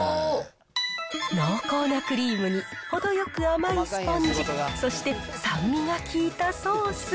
濃厚なクリームに、程よく甘いスポンジ、そして酸味が効いたソース。